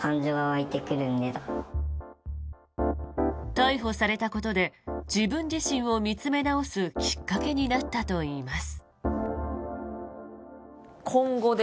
逮捕されたことで自分自身を見つめ直すきっかけになったといいます。